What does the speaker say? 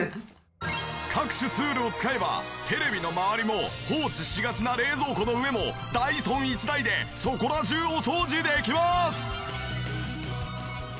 各種ツールを使えばテレビの周りも放置しがちな冷蔵庫の上もダイソン１台でそこら中お掃除できます！